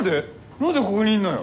何でここにいんのよ？